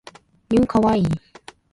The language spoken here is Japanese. new kawaii